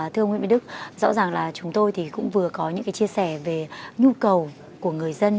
thưa ông nguyễn bến đức rõ ràng là chúng tôi cũng vừa có những chia sẻ về nhu cầu của người dân